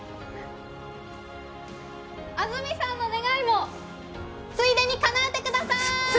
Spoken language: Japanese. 安住さんの願いもついでにかなえてくださーい。